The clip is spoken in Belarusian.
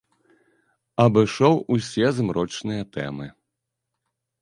Абышоў усе змрочныя тэмы.